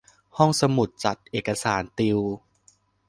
งานห้องสมุด จัดเอกสาร ติว